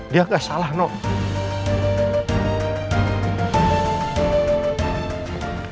dia gak salah noh